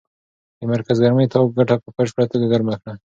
د مرکز ګرمۍ تاو کوټه په بشپړه توګه ګرمه کړه.